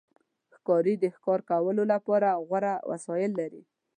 ښکاري د ښکار کولو لپاره غوره وسایل لري.